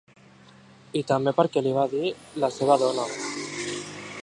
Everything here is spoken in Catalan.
I també perquè l'hi va dir la seva dona.